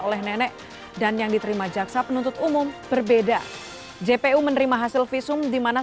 oleh nenek dan yang diterima jaksa penuntut umum berbeda jpu menerima hasil visum dimana